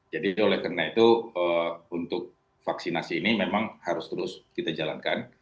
jadi oleh karena itu untuk vaksinasi ini memang harus terus kita jalankan